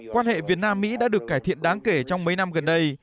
quan hệ việt nam mỹ đã được cải thiện đáng kể trong mấy năm gần đây